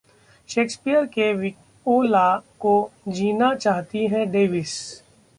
Shakespeare के Viola को जीना चाहती हैं डेविस